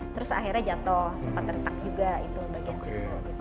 terus akhirnya jatuh sempat retak juga itu bagian situ